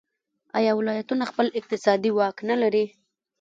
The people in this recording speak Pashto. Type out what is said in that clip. آیا ولایتونه خپل اقتصادي واک نلري؟